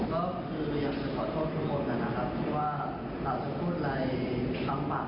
ก็คืออย่างจะขอโทษทุกทุกคนนะครับว่าถัดส่วนแบบทั้งปากไปบ้างนะครับ